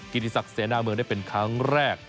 ที่ที่สักเสียหน้าเมืองได้เป็นครั้งแรก